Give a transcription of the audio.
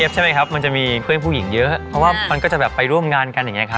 ตัวหนุ่มปืนมันเป็นอย่างไรคะ